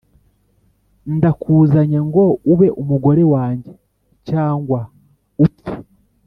Ndakuzanye ngo ube umugore wanjye cyangwa upfe